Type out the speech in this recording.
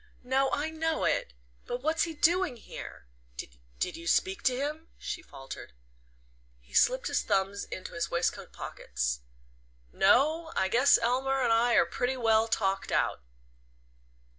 "No I know it; but what's he doing here? Did you speak to him?" she faltered. He slipped his thumbs into his waistcoat pockets. "No I guess Elmer and I are pretty well talked out."